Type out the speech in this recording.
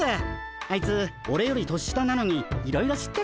あいつオレより年下なのにいろいろ知ってて。